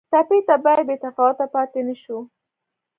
ټپي ته باید بې تفاوته پاتې نه شو.